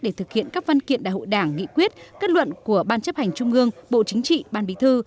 để thực hiện các văn kiện đại hội đảng nghị quyết kết luận của ban chấp hành trung ương bộ chính trị ban bí thư